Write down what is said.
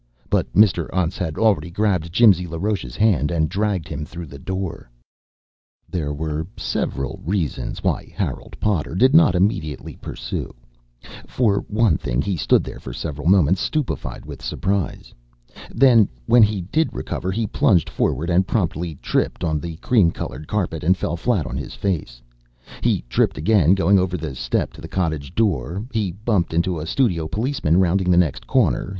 But Mr. Untz had already grabbed Jimsy LaRoche's hand and dragged him through the door. There were several reasons why Harold Potter did not immediately pursue. For one thing he stood there for several moments stupified with surprise. Then, when he did recover, he plunged forward and promptly tripped on the cream colored carpet and fell flat on his face. He tripped again going over the step to the cottage door. He bumped into a studio policeman rounding the next corner.